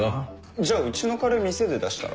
じゃうちのカレー店で出したら？